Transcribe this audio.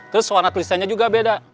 terus warna tulisannya juga beda